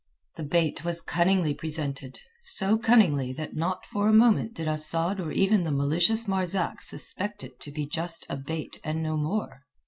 The bait was cunningly presented, so cunningly that not for a moment did Asad or even the malicious Marzak suspect it to be just a bait and no more.